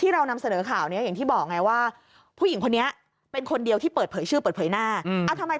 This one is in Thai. ยังเบลอชื่อเบอร์หน้า